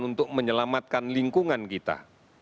untuk menyelamatkan lingkungan kita